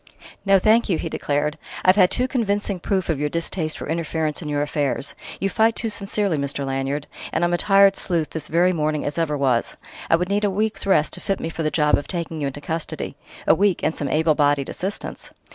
"No, thank you!" he declared. "I've had too convincing proof of your distaste for interference in your affairs. You fight too sincerely, Mr. Lanyard and I'm a tired sleuth this very morning as ever was! I would need a week's rest to fit me for the job of taking you into custody a week and some able bodied assistance!...